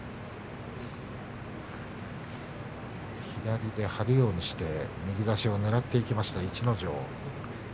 左で張るようにして右差しをねらっていきました逸ノ城。